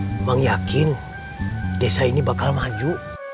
memang yakin desa ini bakal maju